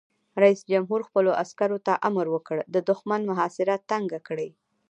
رئیس جمهور خپلو عسکرو ته امر وکړ؛ د دښمن محاصره تنګه کړئ!